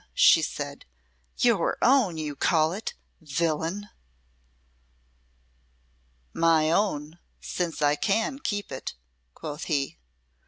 she said "your own you call it villain!" "My own, since I can keep it," quoth he.